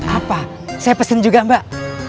apa saya pesen juga mbak